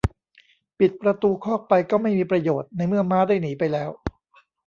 ปิดประตูคอกไปก็ไม่มีประโยชน์ ในเมื่อม้าได้หนีไปแล้ว